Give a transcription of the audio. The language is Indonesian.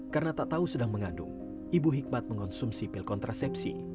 karena tak tahu sedang mengandung ibu hikmat mengonsumsi pil kontrasepsi